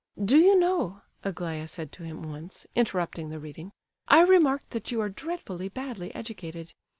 "Do you know," Aglaya said to him once, interrupting the reading, "I've remarked that you are dreadfully badly educated.